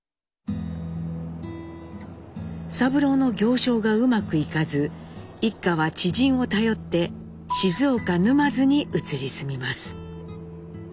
三郎の行商がうまくいかず一家は知人を頼って静岡沼津に移り住みます。